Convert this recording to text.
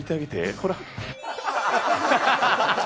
ほら。